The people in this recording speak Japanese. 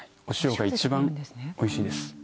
お塩がいちばんおいしいです。